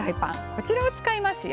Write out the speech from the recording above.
こちらを使いますよ。